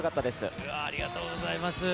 ありがとうございます。